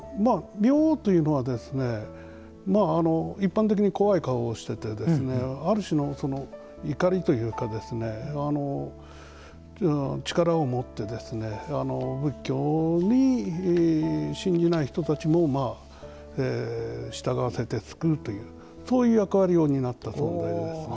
明王というのは一般的に怖い顔をしててある種の怒りというか力をもって仏教を信じない人も従わせて救うというそういう役割を担った存在ですね。